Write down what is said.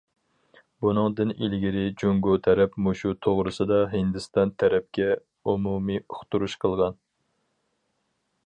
بۇنىڭدىن ئىلگىرى جۇڭگو تەرەپ مۇشۇ توغرىسىدا ھىندىستان تەرەپكە ئومۇمىي ئۇقتۇرۇش قىلغان.